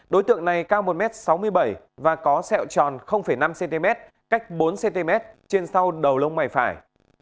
đối tượng này cao một m sáu mươi bảy và có sẹo tròn năm cm cách bốn cm trên sau đầu lông mày phải